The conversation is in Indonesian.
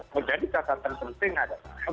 menjadi kata terpenting adalah